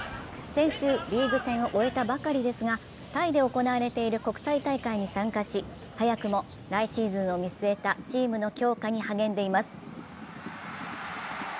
先週、リーグ戦を終えたばかりですが、タイで行われている国際大会に参加し早くも来シーズンを見据えたチームの強化に励んでいます。